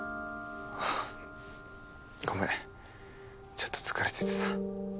ごめんちょっと疲れててさ。